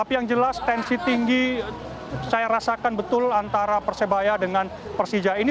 tapi yang jelas tensi tinggi saya rasakan betul antara persebaya dengan persija ini